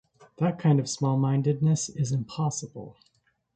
That kind of small-mindedness is impossible.